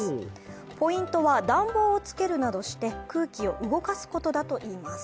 ポイントは暖房をつけるなどして空気を動かすことだそうです。